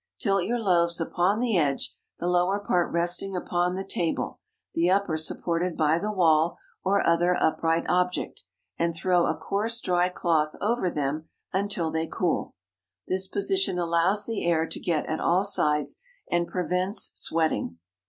Tilt your loaves upon the edge, the lower part resting upon the table, the upper supported by the wall or other upright object, and throw a coarse dry cloth over them until they cool. This position allows the air to get at all sides, and prevents "sweating."